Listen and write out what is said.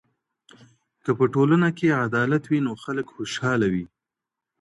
که په ټولنه کي عدالت وي نو خلګ خوشحاله وي.